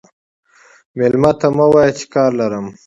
مېلمه ته مه وایه چې کار لرم.